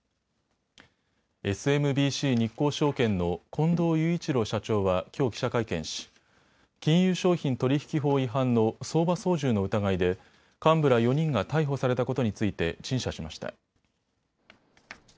ＳＭＢＣ日興証券の近藤雄一郎社長はきょう記者会見し金融商品取引法違反の相場操縦の疑いで幹部ら４人が逮捕されたことについて陳謝しました。